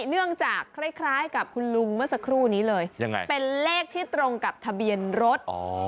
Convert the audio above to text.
เนื่องจากคล้ายกับคุณลุงเมื่อสักครู่นี้เลยยังไงเป็นเลขที่ตรงกับทะเบียนรถ